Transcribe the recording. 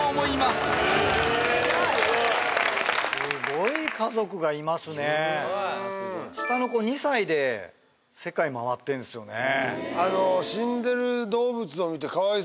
すごい家族がいますねすごい下の子２歳で世界回ってんですよね